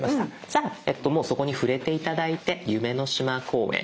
じゃあもうそこに触れて頂いて夢の島公園。